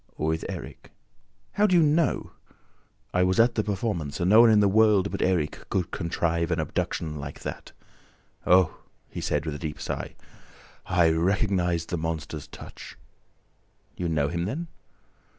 "With Erik." "How do you know?" "I was at the performance and no one in the world but Erik could contrive an abduction like that! ... Oh," he said, with a deep sigh, "I recognized the monster's touch! ..." "You know him then?"